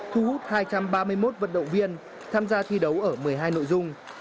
thu hút hai trăm ba mươi một vận động viên tham gia thi đấu ở một mươi hai nội dung